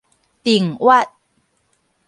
訂閱